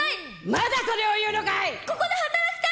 まだそれを言うのかい！